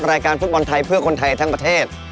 รายการฟุตบอลไทยเพื่อคนไทยทั้งประเทศ